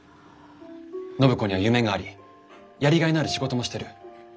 暢子には夢がありやりがいのある仕事もしてる。